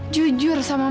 jujur sama mama